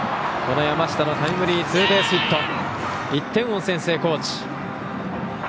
山下のタイムリーツーベースヒットで１点を先制、高知。